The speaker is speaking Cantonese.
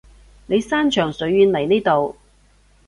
你山長水遠嚟呢度